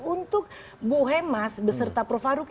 untuk bu hemas beserta prof farouk